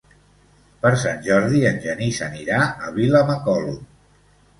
Per Sant Jordi en Genís anirà a Vilamacolum.